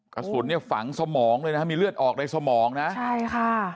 กระสุนฝังสมองมีเลือดออกในสมองนะ